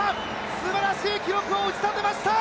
すばらしい記録を打ちたてました！